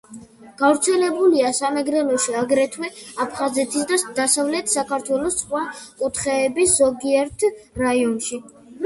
გავრცელებულია სამეგრელოში, აგრეთვე აფხაზეთის და დასავლეთ საქართველოს სხვა კუთხეების ზოგიერთ რაიონში.